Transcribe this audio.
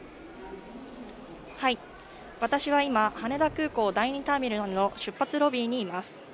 私は今、羽田空港第２ターミナルの出発ロビーにいます。